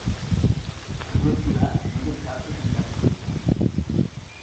El rectorat no descarta tancar el centre.